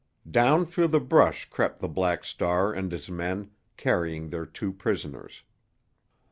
Down through the brush crept the Black Star and his men, carrying their two prisoners.